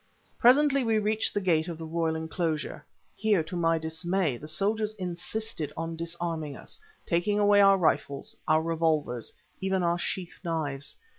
Presently we reached the gate of the royal enclosure. Here to my dismay the soldiers insisted on disarming us, taking away our rifles, our revolvers, and even our sheath knives.